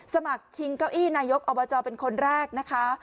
สมัครชิงเก้าอี้นายกอบจเป็นคนแรกนะคะ